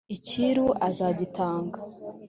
icyiru azagitanga